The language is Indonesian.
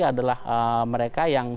adalah mereka yang